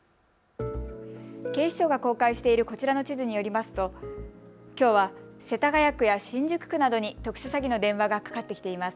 警視庁が公開しているこちらの地図によりますときょうは世田谷区や新宿区などに特殊詐欺の電話がかかってきています。